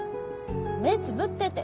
目つぶってて。